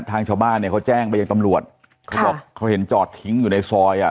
ทางชาวบ้านเนี่ยเขาแจ้งไปยังตำรวจเขาบอกเขาเห็นจอดทิ้งอยู่ในซอยอ่ะ